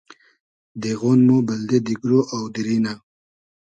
دېغۉن مۉ بئلدې دیگرۉ آو دیری نۂ